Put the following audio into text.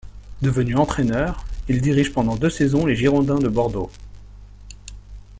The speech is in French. Devenu entraîneur, il dirige pendant deux saisons les Girondins de Bordeaux.